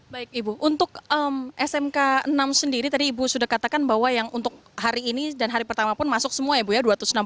baik ibu untuk smk enam sendiri tadi ibu sudah katakan bahwa yang untuk hari ini dan hari pertama pun masuk semua ya ibu ya